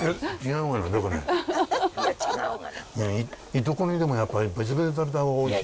いとこ煮でもやっぱり別々で食べた方がおいしい。